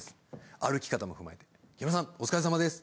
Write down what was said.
歩き方も踏まえて「木村さんお疲れ様です」。